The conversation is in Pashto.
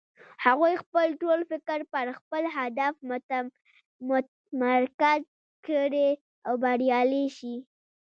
هغوی خپل ټول فکر پر خپل هدف متمرکز کړي او بريالی شي.